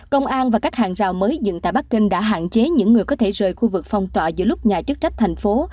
công an và các hàng rào mới dựng tại bắc kinh đã hạn chế những người có thể rời khu vực phong tỏa giữa lúc nhà chức trách thành phố